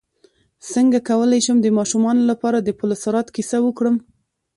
څنګه کولی شم د ماشومانو لپاره د پل صراط کیسه وکړم